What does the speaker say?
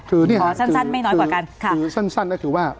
คือขอสั้นไม่น้อยกว่ากันค่ะคือสั้นสั้นก็คือว่า